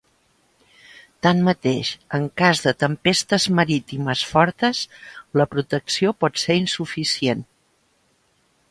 Tanmateix, en cas de tempestes marítimes fortes, la protecció pot ser insuficient.